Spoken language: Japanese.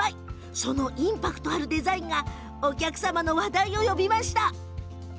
そのインパクトあるデザインがお客様の話題を呼びました。